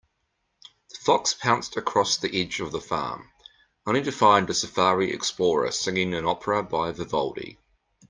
The fox pounced across the edge of the farm, only to find a safari explorer singing an opera by Vivaldi.